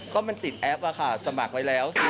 ก็มันติดแอปค่ะสมัครไว้แล้ว